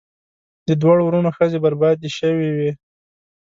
د دواړو وروڼو ښځې بربادي شوې وې.